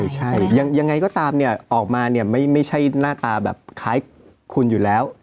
ใช่ยังไงก็ตามเนี่ยออกมาเนี่ยไม่ใช่หน้าตาแบบคล้ายคุณอยู่แล้ว